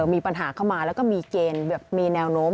มีปัญหาเข้ามาแล้วก็มีเกณฑ์แบบมีแนวโน้ม